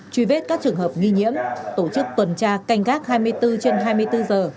truy vết các trường hợp nghi nhiễm tổ chức tuần tra canh gác hai mươi bốn trên hai mươi bốn giờ